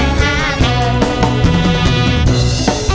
ยังเพราะความสำคัญ